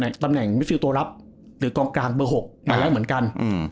ตำแหน่งมิดฟิลตัวรับหรือกองกลางเบอร์๖มาแล้วเหมือนกัน